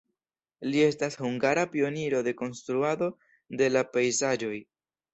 Li estas hungara pioniro de konstruado de la pejzaĝoj.